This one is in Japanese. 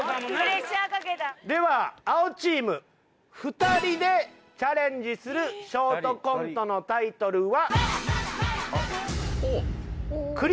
では青チーム２人でチャレンジするショートコントのタイトルは。